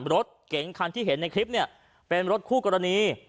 รถเก๋งคันที่เห็นในคลิปเนี่ยเป็นรถคู่กรณี